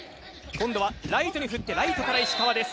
今度はライトに振ってライトから石川です。